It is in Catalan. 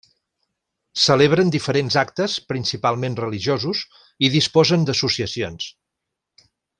Celebren diferents actes, principalment religiosos, i disposen d'associacions.